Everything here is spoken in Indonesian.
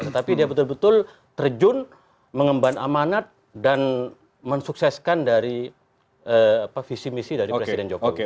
tetapi dia betul betul terjun mengemban amanat dan mensukseskan dari visi misi dari presiden jokowi